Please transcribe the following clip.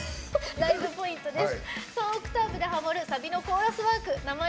ライブポイントです。